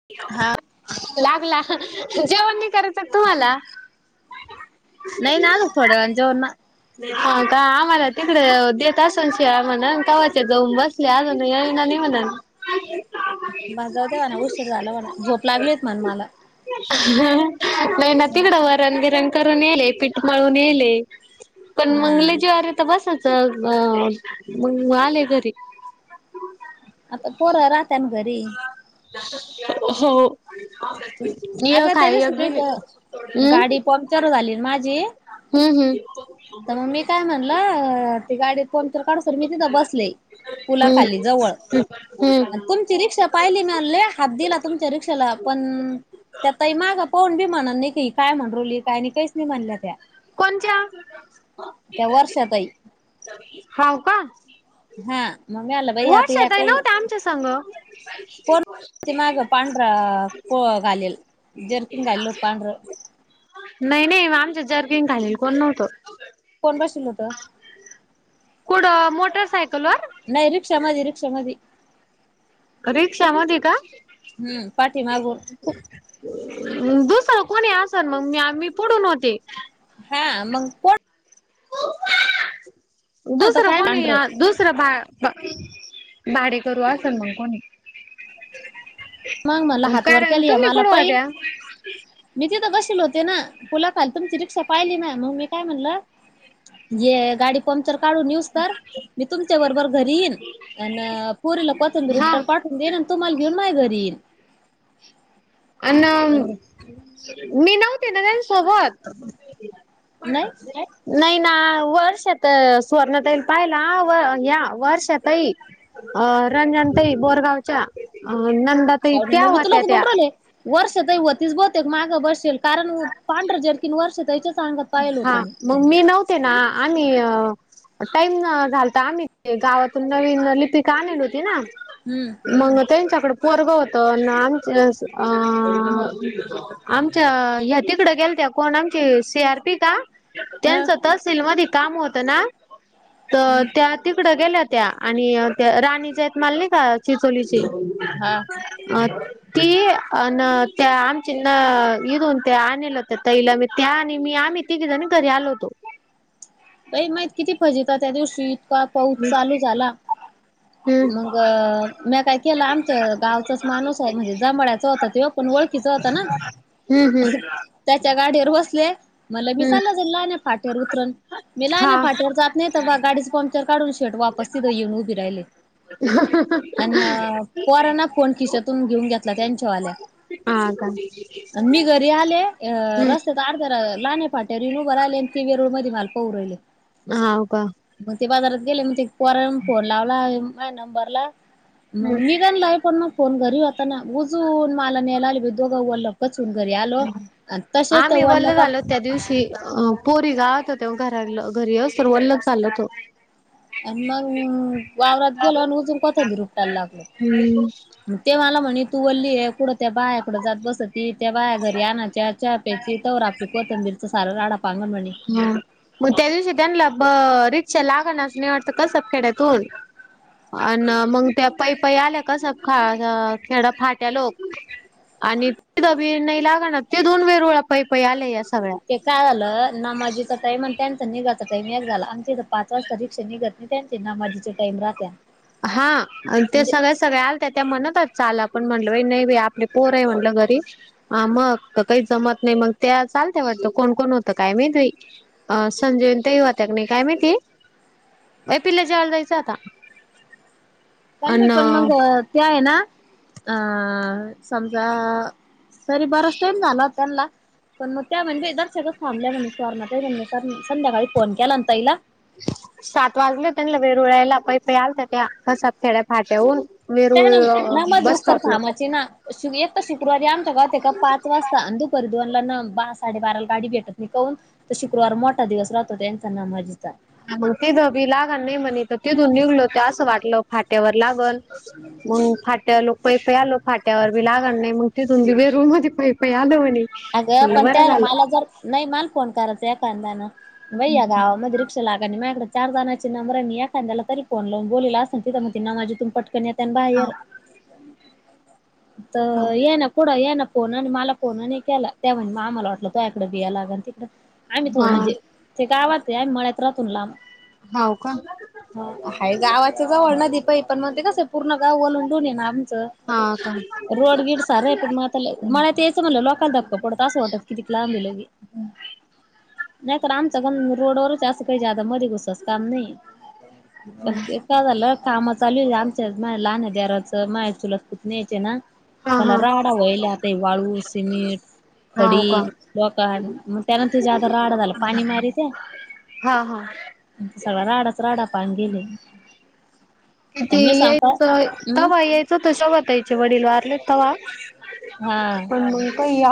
[inaudible] लागला. जेवण नई करायच का तुम्हाला? नई ना अजूक थोड्या वेळानं जेवण ना हा का आम्हाला तिकड देत असन शिव्या म्हणण कवाच्या जाऊन बस त्या अजून येईना नाही म्हणणं हॅलो म्हणा झोप लागलीत म्हण मला नाही ना तिकडं वरणबीरण करून येले पीठ मळून येले पण हा मंग लई जिवार येत बसाच अ मंग आले घरी आता पोर राहत्यान घरी हो एक अगं हाय एक गेली उम्म पंमचर झाली ना माझी हम्म तर मग मी काय म्हण णलं अ ते गाडी पंचर काढूस्तोवर मी तिथं बसले पुलाखाली जवळ तुमची रिक्षा पाहिली ना लय हात दिला तुमच्या रिक्षाला पण त्या ताई माग पाहून बी म्हणा न की ही काय म्हणरवली कायच नाही काहीच नाही म्हणल्या त्या कोणच्या? त्या वर्षा ताई हाव का? मंग मी आल वर्षाताई नव्हत्या आमच्या संग. कोण ते माग पांढरा को घालेल जर्किन घालेल हो पांढर नाही नाही म आमच्यात जर्किन घालेल कोण नव्हतं. कोण बसेल होतं? कुठ मोटर सायकलवर? नाही रिक्षा मधी रिक्षा मधी रिक्षा मधी का? हम्म पाठी मागून दुसर कोणी असन मग मी आ मी पुढून होते हा मग प होतं दुसरं काय कोणी पांढरं दुसरं बा भाडे करू असेल मग कोणी मग म्हणलं हात वर कारण केली तुम्ही मला कुठ पाहिन होत्या? मी तिथं बसेल होते ना पुलाखाली. तुमची रिक्षा पाहिली ना मग मी काय म्हणलं ये गाडी पंक्चर काढून येऊस्तोवर मी तुमच्या बरोबर घरी येईन अन पोरीला कोथंबी हा. रुपटार पाठवून देन आणि तुम्हाला घेऊन माया घरी येईन अन मी नव्हते न त्यांच्यासोबत नाही नाय. नाही ना वर्ष येत सुवर्णाताईने पाहिला व वर्षा ताई अ रंजन ताई बोरगावच्या अह नंदा काय मगं मी तुला बघून राहिले. वर्षाताईच होतीच बहुतेक मागं बसशल कारण पांढरं जार्किन वर्षा ताईच्याच अंगात पाहिलं हा होतं मग मी नव्हते ना आणि अह टाईम झालता आम्ही ते गावातून नवीन लिपिका आणल होती ना हम्म. मंग त्यांच्याकडं पोरग होतं आमच अस अह आमच्या ह्या तिकडं गेलत्या कोण आमची सी आर पी का हा त्यांच तहसील मध्ये काम होत ना तर हम्म त्या तिकडं गेल्या त्या आणि त्या राणीच्या आहेत माल नाय का चिचोलीची हा. अह ती अन त्या आमची न इथून ते आणल होत ताईला मी त्या आणि मी आम्ही तिघी जणी घरी आलो होतो. बाई माहीत किती फजित त्या दिवशी इतका पाऊस चालू झाला हम्म मग मी काय केलं आमच्या गावचाच माणूस म्हणजे जमळ्याच होता त्यो पण ओळखीचा होता ना हम्म हम्म त्याच्या गाडीवर बसले मला मी हम्म चालं लहाना नाही फटेवर उतरन मी हा नाही फट्यावर जात नाही तर गाडीचं पंक्चर काढून शेट वापस तिथं येऊन उभी राहिले. अ पोरांन फोन खिचतून घेऊन घेतला त्यांच्यावाल्या हा का मी घरी आले हम्म रस्तात अर्ध्या लाणे फाट्या वर येऊन उभी राहिले आणि ती वेरूळ मध्ये माल हो बाई हा का मग ते बाजारात गेले मग ते पोरांन फोन लावला माझ्या नंबरला मग हम्म निघाला आहे पण मग फोन घरी होताना उजून मला नेलाले भ दोघा वला पचवून घरी आलो आणि तसेच त्या आम्ही वल्ल वल्याका झालो त्या दिवशी अ पोरी गावात हो तेव घरा घरी वल्लग झाचाल हो आणि मग वावरात गेलो आणि अजून कोत भरुपटायला लागलो. हम्म. ते मला म्हणे तू ल्ली कुढं त्या बायाकडं जात बसत ती त्या बाया घरी आणच्या चहा प्या शतावर आपली कोथंबीरचचा सारा राडा पांगण म्हणे ह मग त्या दिवशी त्यांला ब रिक्षा लागण असं निवटतं कसं खेड्यातून अ मग त्या पाय पायई आल्या कसं ख खेड फाट्या लोक आणि त दब नाही लागणार ते दोन वे रोळा पै पई आले या सगळ्या ते काय झालं ना माजीचा टाइम आणि त्यांचा निघाचा टाइम एक झाला आमच्या पाच वाजता रिक्षा नि घेत नाही त्यांचे नमाझीचे टाईम राहत. हा ते सगळे सगळ्या त्या त्या म्हणतात चाल आपण म्हणल बा नाही बा आपले पोर आहे म्हटलं घरी ह मग काही जमत नाही मग त्या चालत वाटतं कोण कोण होतं काय मैत्री अ संजीवनंत हा होत्या क नाही काय महिती पिल्ल्या जेवाला जायचं आता अन कारण पण मग त्या आहे ना अ समजा तरी बराच टाईम झाला त्यांना पण मग त्या म्हणे बेदार सगळच थांबल्या म्हणजे स्ववरण म्हण सर संध्याकाळी फोन केला ना ताईला सात वाजले त्यां ल वेर उळायला पाय पाय आलं त्या त्या कसात खेड्या फाट्याऊन त्या वेरूळ बस स्टॉपला. येत्या शुक्रवारी आमच्या गावात का पाच वाजता दुपारी दोनंला ना साडेबाराला गाडी भेटत नाही का हून. तो शुक्रवार मोठा दिवस राहतो त्यांचा नमाजीचा. ग ते गबीला लागल नाही म्हणितं तर तिथून निघलो ते असं वाटलं फाट्यावर लागल. मग फाट्या लोक पै पे आलो फाट्यावर बी लागल नाही मगं ते तुन वेरूळमध्ये पै पै आलो म्हणें. अगं पण त्या ना मला जर नाही मला फोन करायच एखादाना भैया गावामध्ये रि क्षा लागती माझ्याकडं चार जणाचे नंबर एखा्या तरी फोन लावून बोलेला असल ना माझी तेथून पटक त्यानी येतालं हा बाहेर. हा तर या ना कुडं या ना फोन आणि मला फोन आणि केला त्या आम्हाला वाटलं तोयाकडं भियाय लागला काय आम्ही थोडं म्हणजे. ते गावात आहं मळात राहतून लांब. हाव का. आहं गावाच्या जवळ नदी पई पण मग ते कसं पूर्ण गाव वलंडून ये ना आमचं हा का रोड गीड सार आहे पण मग आ मळ्यात यायचं म्हणलं लोक का धक्क पडत अस वाटत कि तिक लांबी लगे नाही तर आमचं काण रोडवरच असं काही जालं मरी गुसच काम नाही पण ते. काय झालं काम चालू आहे आमच्या माझ लहान आहे देराचं मा चुलसपूत न्यायचे ना. हा पला हा राडा होय लता वाळू मीठ खडी हाव का डोकाण मग त्यानंतर जा राड झाला पाणी मारी ते. हा हा. सगळं राडत राडा पान गेले किती आणि मी सांगता यायच हम् तव या त शवता यायचे वडील वारले तवा हा पण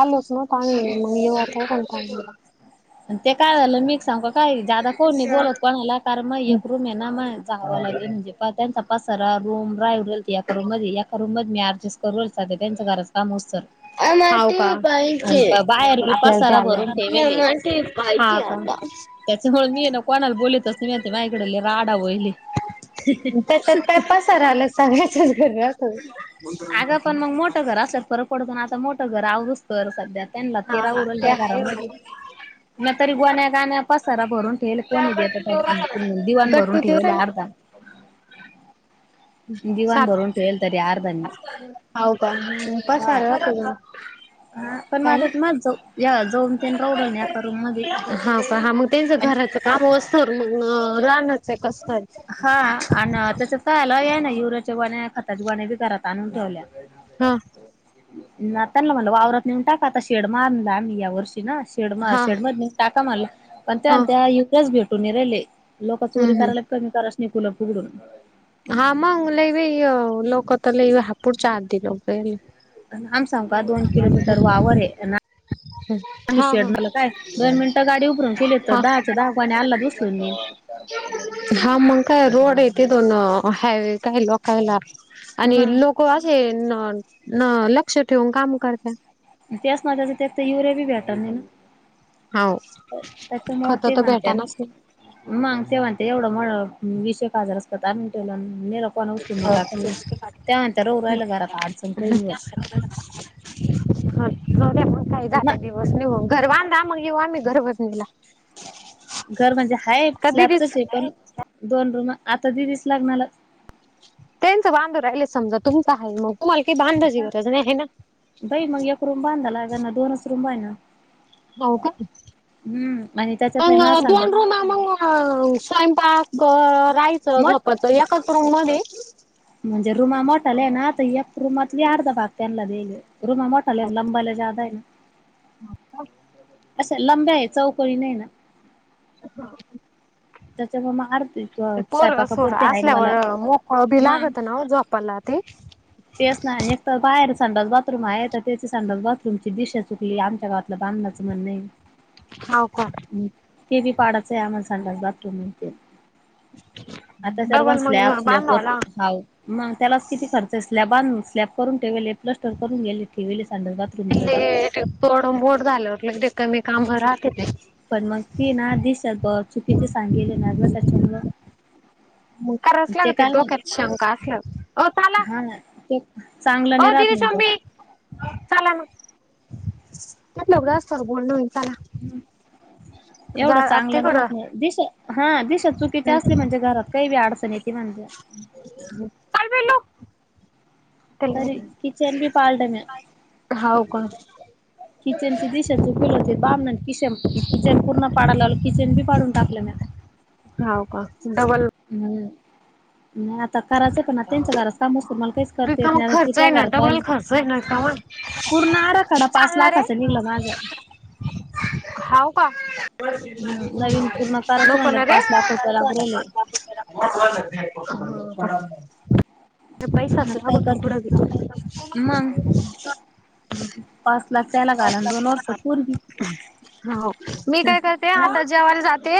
आलोच ना चांग मग येवक कोण चांगला ते काय झालं मी सांग काय जादा कोण नाही बोलत कोणाला कारण मग आला. एक रूम ये ना म जावं लागे म्हजे प स रूम राल मध्ये याका रूम मध्ये मीस् कर त्यांच घराात काम असत. अ बाईचे बी आपल्याला पसारा जा म भरून ठेवेले हाड त्याच्यामुळे मी ना कोणाला बोलतच नाही म्हती माझकडे राडा वहिले त्याच्यात काय पस राहिला सांगायच्याच घर- अगं पण मग मोठं घर असल पररक पडत आता मोठं घर आववरत. कर सध्या त्यांना हा तेिरा हा उडल ते त्या आहे घरामध्ये बरोबर. म तरी गोण्या गाण्या पसार भरून ठेवल कोणी देत दिवाण भरून गट्टू देऊ ठेवल राहिला अर्धा. आप सात अर्धा मी हव का पा हा सारलाख हा पण मग आता म जाऊ जाऊन ते रवडल ना एका रूम मध्ये त्यांच आणि घराच काम असतं मग राहनाचं आहे कसचं हा आणि त्याच तर आला आहे ना युरियाची बाण्या खताची बाण्या बी घरात आणून ठेवल्या. हा ना त्यांला म्हटलं वावरात नेऊन टाका आता शेड मारला मी या वर्षी ना शेड म हा शेड मध्ये टाका मारला पण त्या हा त्याच भेटू निराले लोक चोरी हम्म करायला. हम्म कमी करास नाही फुलं फुगडून हा मग लई इ लोक तर ल हापुड चारदी लोकले आम सांग का दोन किलोमीटर वावर आहे ना. आम्ही हा शेड हा मला काय दोन मिनिटं गाडी उभरून केली तर हा दहाच्या दहा गाणी आला दुसरून हा मग काय रोड येते दोन हायवे काय लोकायला आणि मग लोक असे लक्ष ठेवून काम करत. त्याच ना त्याच त्यात युरया बी भेटणार नाही ना. होय त्याच्यामुळे खत ते तर म्हणत्या भेटानाच नाही. मग ते म्हणते एवढं म विसय हजारच करत आ ठेवेल. [inaudible] हो राहिलं घरात अडचण काही नाही होत ते पण काही ना जाते दिवस निघून घर बांधा मग येऊ आम्ही घरबजणीला घर म्हणजे हाय कधीच स्लॅबचच आहे पण दोन रूम आता दिदीस लागणार. त्यांच बांधव राहिले समजा तुमचं आहे मग तुम्हाला काही बांधाची गरज नाही आहे ना. बाई मग एक रूम बांधाला आहे का ना दोनच रूम ना हो का हम्म आणि त्याच्यात अ नाही ना सांड दोन रूम मग स्वयंपाक राहायचं मोठ झोपाचं या एकाच मध्ये म्हणजे रुमा मोठाल आहे ना आता एक रुमातली अर्धा भाग त्यांला देल रूम मोठल लंबल ज्यादाय ना हो का अशा लांब्या आहे चौकळी नाही ना हा त्याच्यामुळे मग अधे पोर सोर असल्यावर मोकळ बी मग लागतं ना झोपाला ते तेच नाय एक तर बाहेर संडास बाथरूम आहे तर त्याची संडास बाथरूम ची दिशा चुकली आमच्या गावातलं बामनाचं म्हणंय. हाव का. ते बी पाडाचं आहे आमाला संडास बाथरूम [unintelligible] आता सर्वान डबल मग स्लॅप स्लॅप बांधावला हाव. मग त्यालाच किती खर्च स्लॅबाण स्लॅप करून ठेवेले प्लस्टर करून गेले ठेवेले संडास बाथ ले तोडून बोड झालं ते कमी काम राहते ते. पण मग ती ना दिसत ब चुकीचे सांगेले ना त्याच्यामुळं. मंग कराच ते लागते काय डोक्यात शंका असल्यावर ओ चाला. हा ना ते चांगली ओ दीदीची अम्मी. चला मग म्हटलं व्यस्तर बोलनं होईल चला. हम्म जा एवढं चांगलनं आत्तीकडं होत नाही. दिसं हा दिसत चुकीच असली हम्म म्हणजे घरात काही बी अडचण येती म्हणजे. हं. काय पिल्लू. तरी किचन बी पाळलं म्या. [unintelligible] हाव का. किचनची दिशा चुकल होती बाबनं किशम किचन पूर्ण पाडालाल किचन बी पाडून टाकलं म्या. हाव का डबल हम्म म ता कराचं पण ना त्यांच घराचं काम हुसतोर मला काहीच करते येत रिकामा नाही अन ती खर्च आहे त्या ना घरात डबल राहिल. खर्च आहे ना रिकामा पूर्ण आराखडा पाच चालणार लाखाच आहे निघलं माझं. [unintelligible] हाव का? हम्म नवीन पूर्ण [unintelligible] करायचं नको ना म्हणल्यावर रे. पाच लाख रुपये लागू राहिले. [unintelligible] पैसा मग काय करते मग [unintelligible] पाच लाखच्या हेला घालाल दोन वर्ष पूर्वी. हो मी काय करते आता जेवाला जाते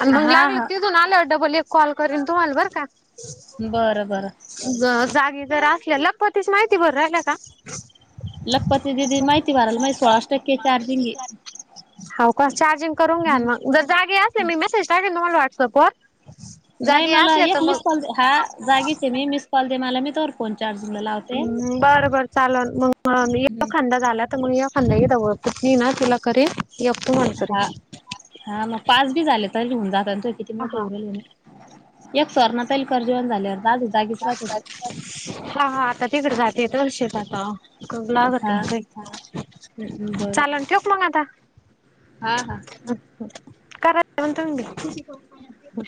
अन मग हा लागल हा ती अजून आल्यावर डबल एक कॉल करीन तुम्हाला बरं का. बरं बरं. ज जागी जरा असल्या लगपतीस माहिती भर राहिल्या का? लगपती दिदी माहिती भराल माइ सोळाश टक्के चार्जिंग गे. हाव काश चार्जिंग करून घ्या नं हम्म. मग जर जागी असेन मी मेसेज टाकेन तुम्हाला व्हॉट्सअप कर. नाही मला एक मिस कॉल दे हा जागीचे मी मिस कॉल दे मला मी चोर फोन चार्जिंगला लाव. हम्म बरं बरं चालल मग हम्म. यखांदा झालात. तर मग याखांदा हीदव पूतनी ना तिला करे या [unintelligible] करे. हा हा मग पाच बी झाले तरी हुन जातात त किती हा मोठे हा उरल. एक सुवर्णा ताईल कर जेवण झाल्यावर दाजू जागीच राहते ती. हा हा आता तिकडं जातेत शेतात. खग हा लागते, बरं. चालन ठेऊक मंग आता? हा हा. करा म्हंतंग म्ह.